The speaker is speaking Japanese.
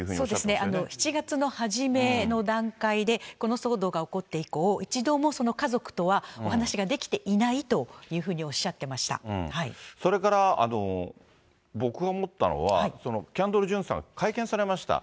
そうですね、７月の初めの段階で、この騒動が起こって以降、一度も家族とはお話ができていないというふうにおっしゃっていまそれから僕が思ったのは、キャンドル・ジュンさん、会見されました。